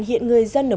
hiện người dân ở đây